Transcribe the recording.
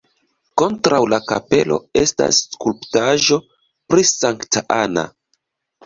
Kontraŭ la kapelo estas skulptaĵo pri Sankta Anna.